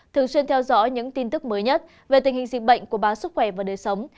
thường xuyên theo dõi những tin tức mới nhất về tình hình dịch bệnh của báo sức khỏe và đời sống